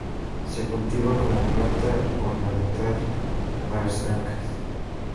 Se cultiva como planta ornamental, para estanques.